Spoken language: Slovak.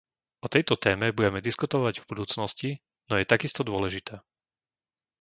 O tejto téme budeme diskutovať v budúcnosti, no je takisto dôležitá.